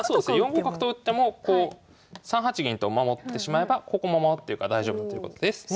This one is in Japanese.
４五角と打ってもこう３八銀と守ってしまえばここも守ってるから大丈夫ということですね。